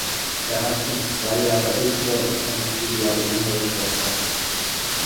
Er hat eine zwei Jahre ältere und eine vier Jahre jüngere Schwester.